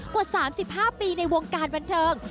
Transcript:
กว่า๓๕ปีในวงการบันเทิง